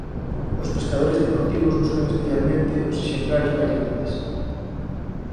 Os pescadores deportivos buscan especialmente os exemplares máis grandes.